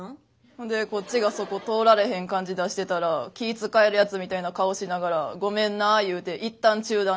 ほんでこっちがそこ通られへん感じ出してたら気ぃ遣えるやつみたいな顔しながら「ごめんな」言うて一旦中断しはんねん。